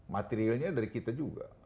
materialnya dari kita juga